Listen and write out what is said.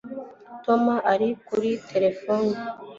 Tom ari kuri terefone